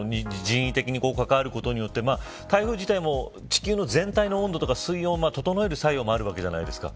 人為的に関わることによって台風自体も地球の全体の温度とか水温を整える作用もあるわけじゃないですか。